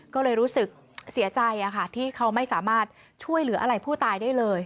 ก็เลยรู้สึกเสียใจที่เขาไม่สามารถช่วยเหลืออะไรผู้ตายได้เลย